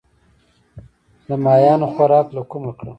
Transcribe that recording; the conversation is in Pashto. د ماهیانو خوراک له کومه کړم؟